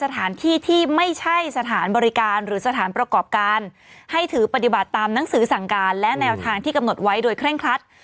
สถานที่ที่ไม่ใช่สถานบริการหรือสถานประกอบการให้ถือปฏิบัติตามหนังสือสั่งการและแนวทางที่กำหนดไว้โดยเคร่งครัด